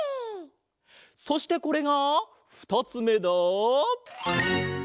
そしてこれがふたつめだ。